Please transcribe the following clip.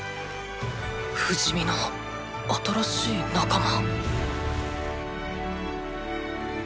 不死身の新しい仲間